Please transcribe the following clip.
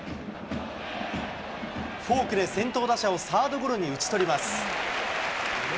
フォークで先頭打者をサードゴロに打ち取ります。